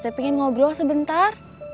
saya pengen ngobrol sebentar